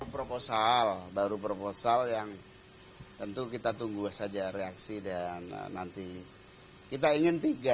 proposal baru proposal yang tentu kita tunggu saja reaksi dan nanti kita ingin tiga